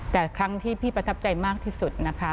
แต่ครั้งที่พี่ประทับใจมากที่สุดนะคะ